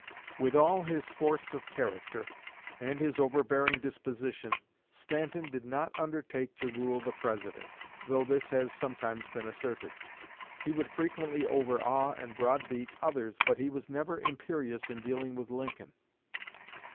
With all his force of character, and his overbearing disposition, Stanton did not undertake to rule the President though this has sometimes been asserted. He would frequently overawe and browbeat others, but he was never imperious in dealing with Lincoln.